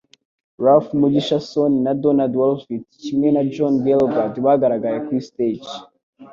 Ralph Mugishason, na Donald Wolfit kimwe na John Gielgud bagaragaye kuri stage